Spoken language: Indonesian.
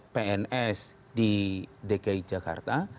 pns di dki jakarta